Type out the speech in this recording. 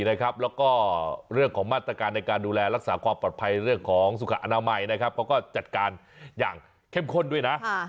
แล้วก็เรื่องของมาตรการในการดูแลรักษาความปลอดภัยเรื่องของสุขอนามัยเขาก็จัดการอย่างเข้มข้นด้วยนะ